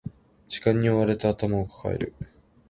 時間に追われて頭を抱える